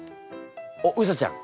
おっうさちゃん。